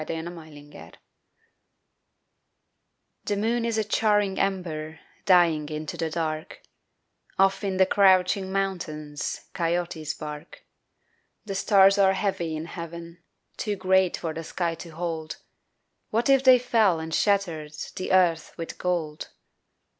NIGHT IN ARIZONA THE moon is a charring ember Dying into the dark; Off in the crouching mountains Coyotes bark. The stars are heavy in heaven, Too great for the sky to hold What if they fell and shattered The earth with gold?